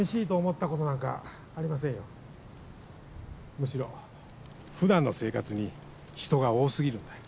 むしろ普段の生活に人が多過ぎるんだ。